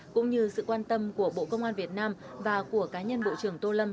cũng như sự quan tâm của bộ công an việt nam và của cá nhân bộ trưởng tô lâm